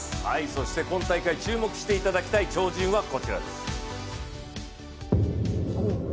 そして今大会注目していただきたい超人は、こちらです。